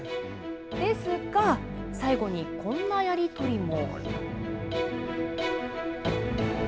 ですが、最後にこんなやり取りも。